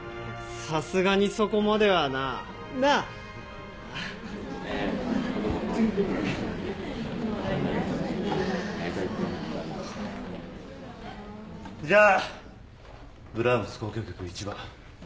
さすがにそこまではなぁ。なあ？じゃあブラームス『交響曲１番』第１楽章。